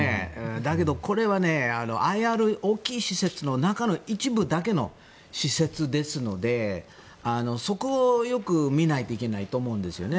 だけど、これはＩＲ大きい施設の中で一部の施設ですのでそこをよく見ないといけないと思うんですよね。